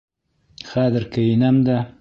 Хәҙер кейенәм дә...